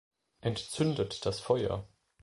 Entzündet das Feuer!